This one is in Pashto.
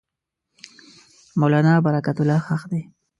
مولنا برکت الله ښخ دی.